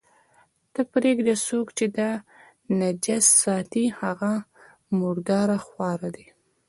ته پرېږده، څوک چې دا نجس ساتي، هغه مرداره خواره دي.